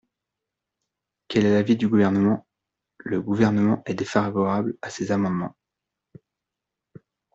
Quel est l’avis du Gouvernement ? Le Gouvernement est défavorable à ces amendements.